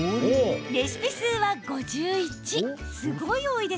レシピ数は５１。